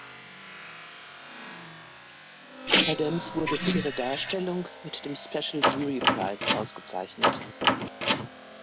Adams wurde für ihre Darstellung mit dem Special Jury Prize ausgezeichnet.